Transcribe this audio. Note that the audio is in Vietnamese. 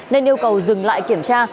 nên yêu cầu dừng lại kiểm tra